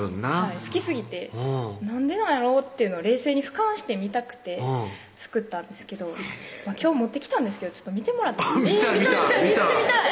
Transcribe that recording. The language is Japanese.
好きすぎてなんでなんやろうっていうのを冷静にふかんして見たくて作ったんですけど今日持ってきたんですけど見てもらって見たい